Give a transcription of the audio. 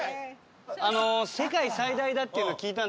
あの世界最大だっていうの聞いたんですよ。